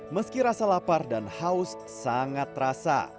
meski rasa lapar dan haus sangat terasa